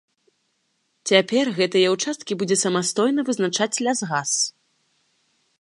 Цяпер гэтыя ўчасткі будзе самастойна вызначаць лясгас.